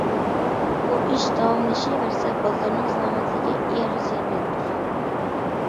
بۇ ئىش داۋاملىشىۋەرسە، بالىلارنىڭ سالامەتلىكىگە ئېغىر زىيان يەتكۈزىدۇ.